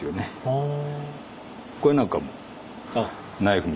へえ。